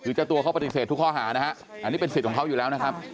คือเจ้าตัวเขาปฏิเสธทุกข้อหานะฮะอันนี้เป็นสิทธิ์ของเขาอยู่แล้วนะครับ